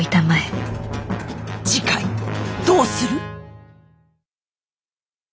次回どうする？